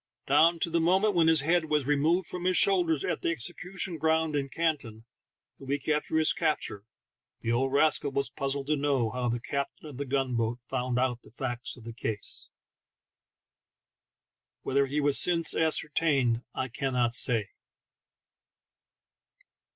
Down to the moment when his head was removed from his shoulders at the Execution Ground in Canton, a week after his capture, the old rascal was puzzled to know how the captain of the gun boat found out the facts in the case. Whether he has since ascertained I cannot say.